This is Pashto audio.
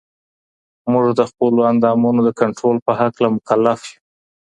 موږ د خپلو اندامونو د کنټرول په هکله مکلف يو.